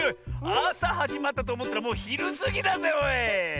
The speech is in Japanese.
あさはじまったとおもったらもうひるすぎだぜおい！